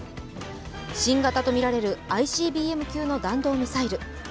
新型とみられるＩＣＢＭ級の弾道ミサイル。